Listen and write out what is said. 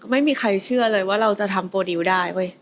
ไม่มีใครเชื่อเลยว่าเราจะทำโปรดิวได้